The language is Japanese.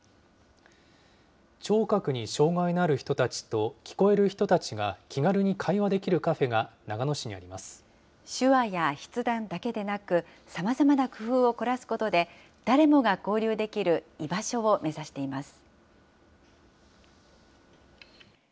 聴覚に障害のある人たちと聞こえる人たちが気軽に会話できる手話や筆談だけでなく、さまざまな工夫を凝らすことで、誰もが交流できる居場所を目指しています。